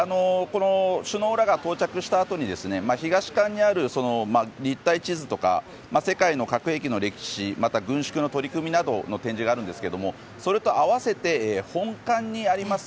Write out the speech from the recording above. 首脳らが到着したあとに東館にある立体地図とか世界の核兵器の歴史また軍縮の取り組みなどの展示がありますがそれと合わせて本館にあります